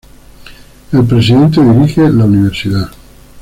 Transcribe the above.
El presidente dirige la universidad.